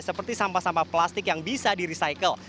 seperti sampah sampah plastik yang bisa di recycle